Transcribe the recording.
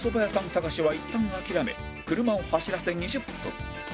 探しはいったん諦め車を走らせ２０分